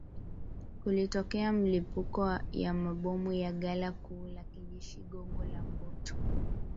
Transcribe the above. Kulitokea milipuko ya mabomu ya ghala kuu la kijeshi gongo la mboto